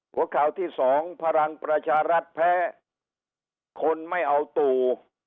หัวข่าวที่สองพลังประชารัฐแพ้คนไม่เอาตู่